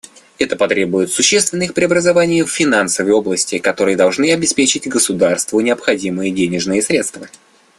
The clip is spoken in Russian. Это потребует существенных преобразований в финансовой области, которые должны обеспечить государству необходимые денежные средства.